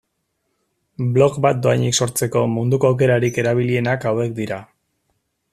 Blog bat doan sortzeko munduko aukerarik erabilienak hauek dira.